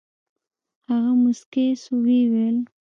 هغه موسكى سو ويې ويل.